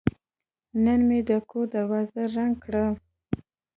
نن مې د کور دروازه رنګ کړه.